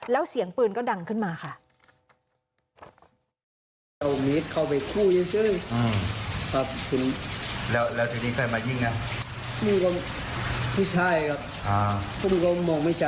แล้วเสียงปืนก็ดังขึ้นมาค่ะ